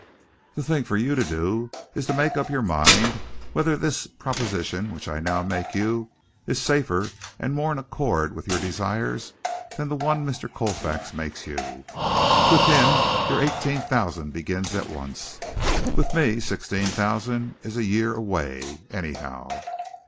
"The thing for you to do is to make up your mind whether this proposition which I now make you is safer and more in accord with your desires than the one Mr. Colfax makes you. With him your eighteen thousand begins at once. With me sixteen thousand is a year away, anyhow.